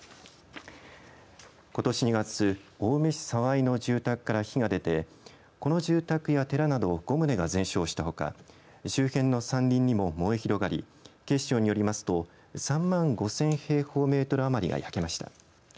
ことし２月、青梅市沢井の住宅から火が出て、この住宅や寺など５棟が全焼したほか周辺の山林にも燃え広がり警視庁によりますと３万５０００平方メートル余りが焼けました。